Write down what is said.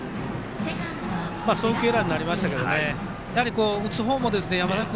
送球エラーになりましたが打つ方も山田君